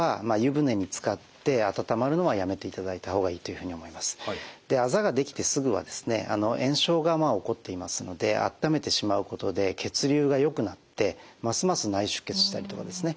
冷やす処置をしている中で基本的にはですねあざができてすぐはですね炎症が起こっていますので温めてしまうことで血流がよくなってますます内出血したりとかですね